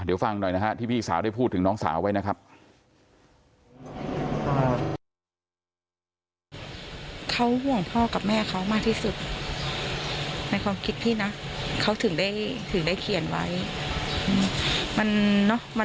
เดี๋ยวฟังหน่อยนะฮะที่พี่สาวได้พูดถึงน้องสาวไว้นะครับ